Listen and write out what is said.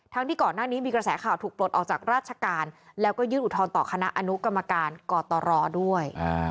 ที่ก่อนหน้านี้มีกระแสข่าวถูกปลดออกจากราชการแล้วก็ยื่นอุทธรณ์ต่อคณะอนุกรรมการกตรด้วย